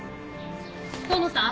遠野さん